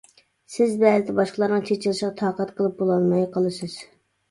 سىز بەزىدە باشقىلارنىڭ چېچىلىشىغا تاقەت قىلىپ بولالماي قالىسىز.